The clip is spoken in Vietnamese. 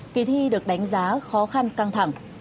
kỳ thi được đánh giá khó khăn căng thẳng